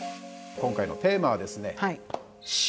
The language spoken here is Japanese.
今回のテーマはですね